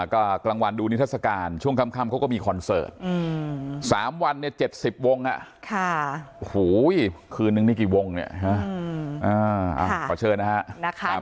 ก็กลางวันดูนิทัศกาลช่วงค่ำเขาก็มีคอนเสิร์ต๓วันเนี่ย๗๐วงคืนนึงนี่กี่วงเนี่ยขอเชิญนะครับ